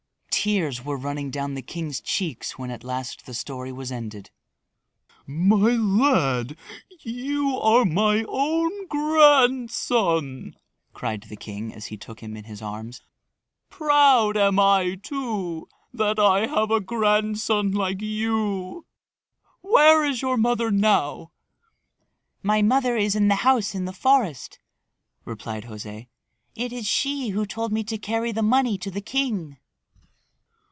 Tears were running down the king's cheeks when at last the story was ended. "My lad, you are my own grandson!" cried the king as he took him in his arms. "Proud am I, too, that I have a grandson like you! Where is your mother now?" "My mother is in the house in the forest," replied José. "It is she who told me to carry the money to the king."